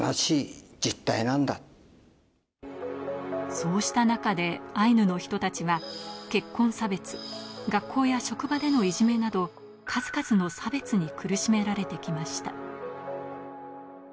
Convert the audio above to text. そうした中でアイヌの人たちは結婚差別学校や職場でのいじめなど数々の差別に苦しめられて来ました